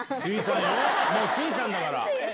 もうスイさんだから。